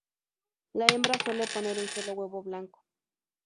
La hembra suele poner un solo huevo blanco.